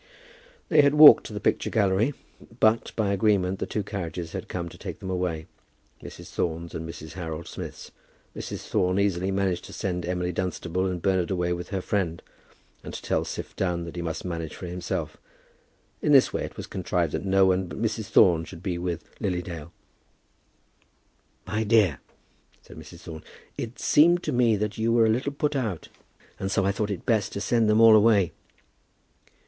They had walked to the picture gallery; but, by agreement, two carriages had come to take them away, Mrs. Thorne's and Mrs. Harold Smith's. Mrs. Thorne easily managed to send Emily Dunstable and Bernard away with her friend, and to tell Siph Dunn that he must manage for himself. In this way it was contrived that no one but Mrs. Thorne should be with Lily Dale. "My dear," said Mrs. Thorne, "it seemed to me that you were a little put out, and so I thought it best to send them all away."